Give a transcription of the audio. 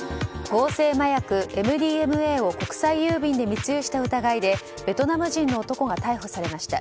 合成麻薬ＭＤＭＡを国際郵便で密輸した疑いでベトナム人の男が逮捕されました。